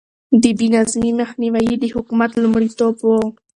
د بې نظمي مخنيوی يې د حکومت لومړيتوب و.